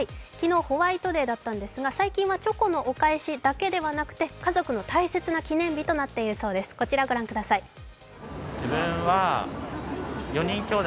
昨日ホワイトデーだったんですが最近はチョコのお返しだけではなくて家族の大切な記念日となっているようです、こちら御覧ください。